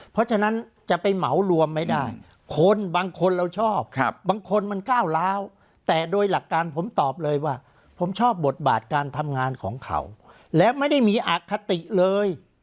เพราะฉะนั้นจะไปเหมารวมไม่ได้คนบางคนเราชอบบางคนมันก้าวล้าวแต่โดยหลักการผมตอบเลยว่าผมชอบบทบาทการทำงานของเขาและไม่ได้มีอคติเลย